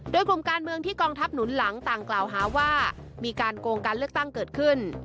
โดยกลุ่มการเมืองที่กองทัพหนุนหลังต่างกล่าวหาว่ามีการโกงการเลือกตั้งเกิดขึ้น